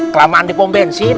kelamaan dipom bensin